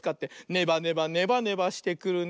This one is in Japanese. ネバネバネバネバしてくるね。